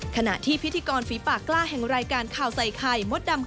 ขณะที่พิธีกรฝีปากกล้าแห่งรายการข่าวใส่ไข่มดดำ